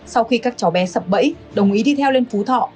sau khi các cháu bé sập bẫy đồng ý đi theo lên phú thọ